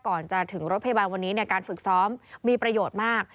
ก่อนจะถึงรถพยาบาลวันนี้การฝึกซ้อมมีประโยชน์มาก